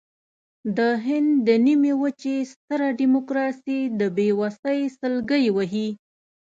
د هند د نیمې وچې ستره ډیموکراسي د بېوسۍ سلګۍ وهي.